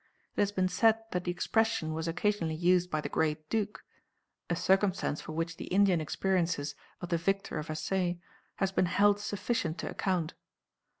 It has been said that the expression was occasionally used by the "great Duke," a circumstance for which the Indian experiences of the victor of Assaye has been held sufficient to account.